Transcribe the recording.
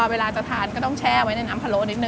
พอเวลาจะทานก็ต้องแช่ไว้ในน้ำผลลุนิด